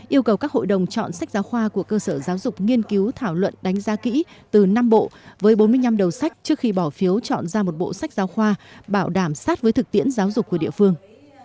yêu cầu các hội đồng chọn sách giáo khoa của cơ sở giáo dục nghiên cứu thảo luận đánh giá kỹ từ năm bộ với bốn mươi năm đầu sách trước khi bỏ phiếu chọn ra một bộ sách giáo khoa bảo đảm sát với thực tiễn giáo dục của địa phương